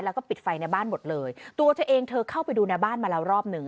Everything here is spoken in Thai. แล้วก็ปิดไฟในบ้านหมดเลยตัวเธอเองเธอเข้าไปดูในบ้านมาแล้วรอบหนึ่ง